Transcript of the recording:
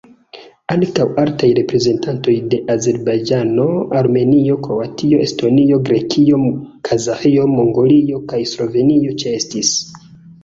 Ankaŭ altaj reprezentantoj de Azerbajĝano, Armenio, Kroatio, Estonio, Grekio, Kazaĥio, Mongolio kaj Slovenio ĉeestis.